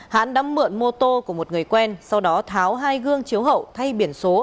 hãn đã mượn mô tô của một người quen sau đó tháo hai gương chiếu hậu thay biển số